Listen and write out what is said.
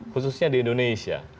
khususnya di indonesia